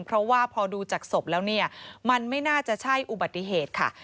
เพราะว่าพอดูจากศพแล้วเนี่ยมันไม่น่าจะใช่อุบัติเหตุค่ะ